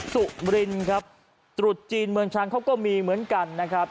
สุรินครับตรุษจีนเมืองช้างเขาก็มีเหมือนกันนะครับ